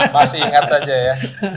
masih ingat saja ya